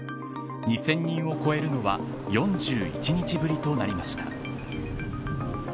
２０００人を超えるのは４１日ぶりとなりました。